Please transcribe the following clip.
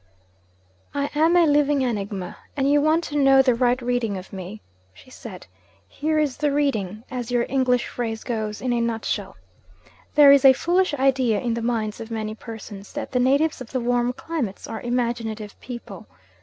'I am a living enigma and you want to know the right reading of me,' she said. 'Here is the reading, as your English phrase goes, in a nutshell. There is a foolish idea in the minds of many persons that the natives of the warm climates are imaginative people.